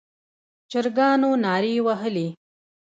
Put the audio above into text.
چرګانو نارې وهلې.